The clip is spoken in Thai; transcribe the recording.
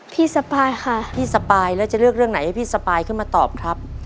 สปายค่ะพี่สปายแล้วจะเลือกเรื่องไหนให้พี่สปายขึ้นมาตอบครับ